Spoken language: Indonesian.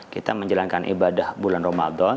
kita menjalankan ibadah bulan ramadan